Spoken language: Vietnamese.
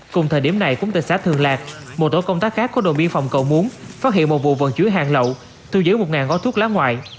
cùng thời điểm này cũng tại xã thường lạc một tổ công tác khác của đồn biên phòng cầu muốn phát hiện một vụ vận chuyển hàng lậu thu giữ một gói thuốc lá ngoại